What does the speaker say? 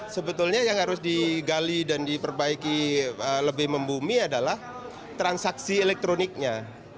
sebetulnya yang harus digali dan diperbaiki lebih membumi adalah transaksi elektroniknya